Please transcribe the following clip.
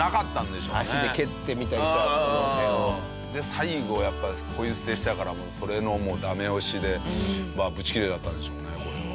最後やっぱりポイ捨てしたからそれのダメ押しでブチギレちゃったんでしょうねこれは。